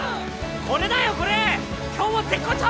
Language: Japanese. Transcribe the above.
これだよこれ今日も絶好調！